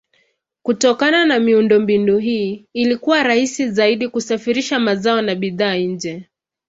Kutokana na miundombinu hii ilikuwa rahisi zaidi kusafirisha mazao na bidhaa nje.